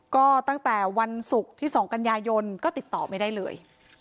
ก็ตั้งแต่วันศุกร์ที่๒กันยายนก็ติดต่อไม่ได้เลย